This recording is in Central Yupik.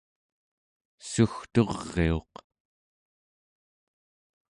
sugturiuq